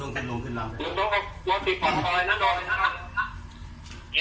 นี่เป็นเรื่องเว็บร้อย